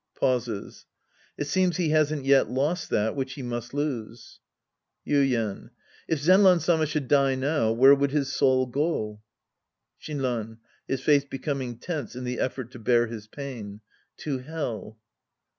{Pauses.) It seems he hasn't yet lost that which he must lose. Yuien. If Zenran Sama should die now, where would his soul go ? Shinran {his face becoming tense in the effort to bear his pain). To Hell.